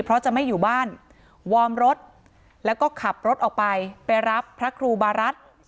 เพราะจะไม่อยู่บ้านวอร์มรถแล้วก็ขับรถออกไปไปรับพระครูบารัฐ